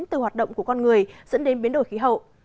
từ hoạt động của con người dẫn đến biến đổi khí hậu